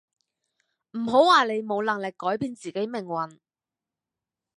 唔好話你冇能力改變自己命運